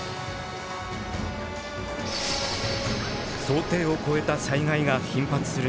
想定を超えた災害が頻発する中